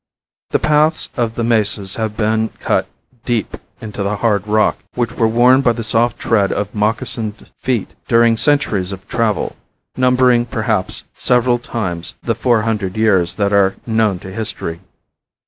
The paths on the mesas have been cut deep into the hard rock, which were worn by the soft tread of moccasined feet during centuries of travel, numbering, perhaps, several times the four hundred years that are known to history.